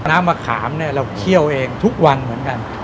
น้ำมะขามเนี่ยเราเคี่ยวเองทุกวันเหมือนกัน